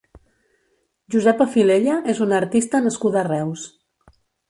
Josepa Filella és una artista nascuda a Reus.